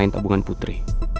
yang tabungan putri